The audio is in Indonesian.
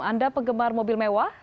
anda penggemar mobil mewah